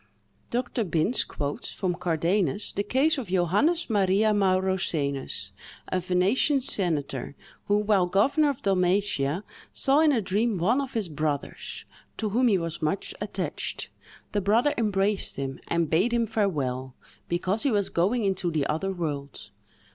Dr. Binns quotes, from Cardanus, the case of Johannes Maria Maurosenus, a Venetian senator, who, while governor of Dalmatia, saw in a dream one of his brothers, to whom he was much attached: the brother embraced him and bade him farewell, because he was going into the other world.